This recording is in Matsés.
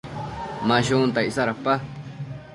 Ma shunta icsa dapa?